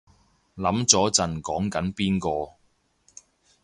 諗咗陣講緊邊個